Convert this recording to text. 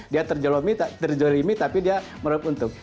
dia terzolimi tapi dia merauh untung